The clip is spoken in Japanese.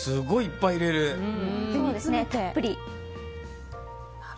たっぷり。